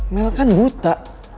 mel kan buta